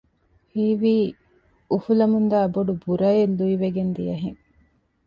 ހީވީ އުފުލަމުންދާ ބޮޑު ބުރައެއް ލުއިވެގެން ދިޔަ ހެން